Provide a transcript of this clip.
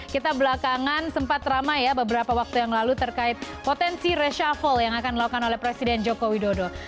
kita belakangan sempat ramai ya beberapa waktu yang lalu terkait potensi reshuffle yang akan dilakukan oleh presiden joko widodo